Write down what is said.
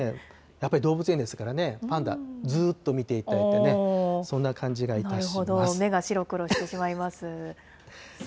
やっぱり動物園ですからね、パンダ、ずーっと見ていたいってね、そんな感じがいたします。